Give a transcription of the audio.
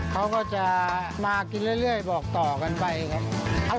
เขาก็จะมากินเรื่อยบอกต่อกันไปครับ